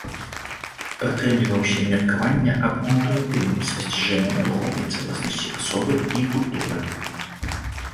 Прытрымліваўся меркавання аб інтуітыўным спасціжэнні духоўнай цэласнасці асобы і культуры.